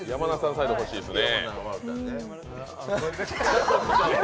サイド欲しいですね。